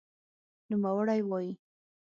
نوموړی وایي،